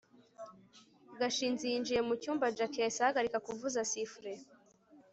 gashinzi yinjiye mu cyumba, jack yahise ahagarika kuvuga (zifre